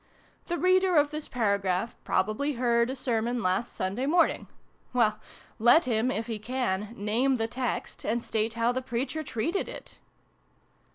The reader of this paragraph probably heard a sermon last Sunday morning ? Well, let him, if he can, name the text, and state how the preacher treated it